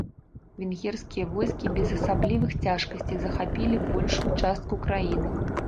Венгерскія войскі без асаблівых цяжкасцей захапілі большую частку краіны.